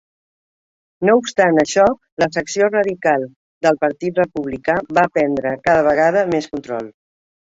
No obstant això, la secció radical del Partit Republicà va prendre cada vegada més control.